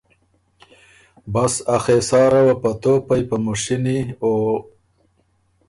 بس ا خېساره وه په توپئ په مُشینی او